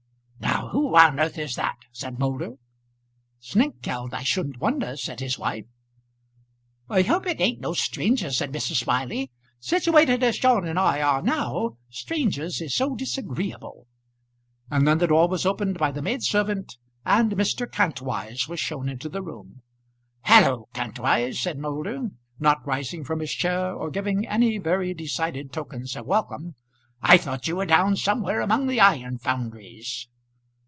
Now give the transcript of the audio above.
"Now who on earth is that?" said Moulder. "Snengkeld, I shouldn't wonder," said his wife. "I hope it ain't no stranger," said Mrs. Smiley. "Situated as John and I are now, strangers is so disagreeable." And then the door was opened by the maid servant, and Mr. Kantwise was shown into the room. "Halloo, Kantwise!" said Mr. Moulder, not rising from his chair, or giving any very decided tokens of welcome. "I thought you were down somewhere among the iron foundries?"